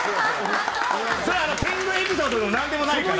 それは天狗エピソードでもなんでもないから。